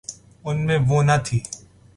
ان میں وہ نہ تھی۔